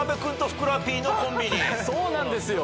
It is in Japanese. そうなんですよ。